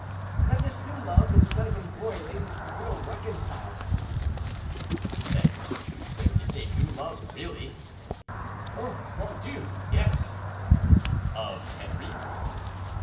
"That this new love, instead of embroiling, will reconcile them." "Then there is a new love, really?" "Oh! mon Dieu! yes." "Of Henri's?"